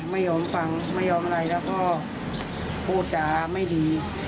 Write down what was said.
ไม่ยอมฟังไม่ยอมอะไรแล้วก็พูดจาไม่ดี